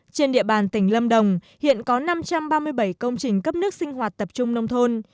trên địa bàn tỉnh lâm đồng hiện có năm trăm ba mươi bảy công trình cấp nước sinh hoạt tập trung nông thôn